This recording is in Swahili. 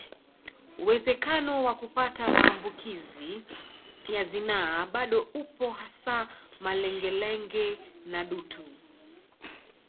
Uwezekano wa kupata maambukizi ya zinaa bado upo hasa malengelenge na dutu